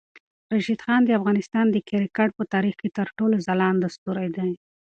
راشد خان د افغانستان د کرکټ په تاریخ کې تر ټولو ځلاند ستوری دی.